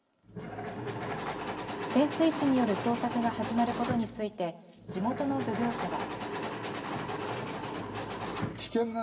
潜水士による捜索が始まることについて地元の漁業者は。